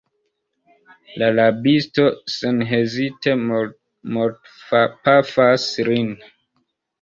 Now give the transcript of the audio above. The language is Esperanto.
La rabisto senhezite mortpafas lin.